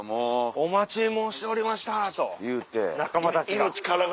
「お待ち申しておりました！」と仲間たちが。